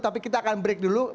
tapi kita akan break dulu